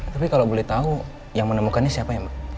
tapi kalau boleh tahu yang menemukannya siapa ya mbak